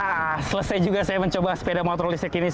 haaa selesai juga saya mencoba sepeda motor listrik